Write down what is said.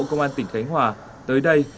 công an tỉnh khánh hòa tới đây